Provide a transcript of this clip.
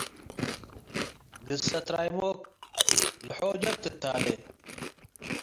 ግሰት ራይሞክ ለሖጀብ ትታሌ